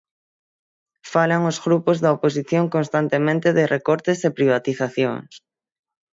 Falan os grupos da oposición constantemente de recortes e privatizacións.